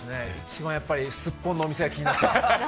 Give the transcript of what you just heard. やっぱりすっぽんのお店が気になってます。